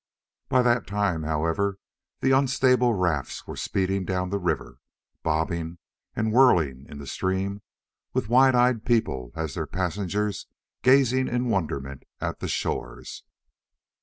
By that time, however, the unstable rafts were speeding down the river, bobbing and whirling in the stream, with wide eyed people as their passengers gazing in wonderment at the shores.